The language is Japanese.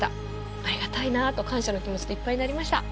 ありがたいなと感謝の気持ちでいっぱいになりました。